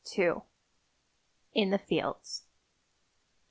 (In the Fields.)